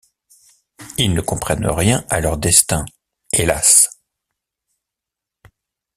Ils ne comprennent rien à leur destin, hélas!